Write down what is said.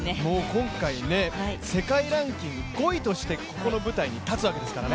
今回世界ランキング５位としてここの舞台に立つわけですからね。